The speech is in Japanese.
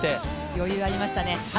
余裕ありましたね